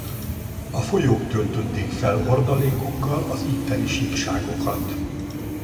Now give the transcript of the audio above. A folyók töltötték fel hordalékukkal az itteni síkságokat.